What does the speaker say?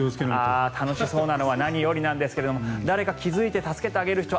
楽しそうなのは何よりなんですが誰か気付いて助けてあげる人。